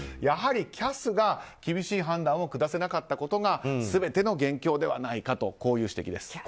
やはりＣＡＳが厳しい判断を下せなかったことが全ての元凶ではないかという指摘です。